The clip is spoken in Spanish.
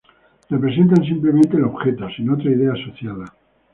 Representan simplemente el objeto, sin otra idea asociada.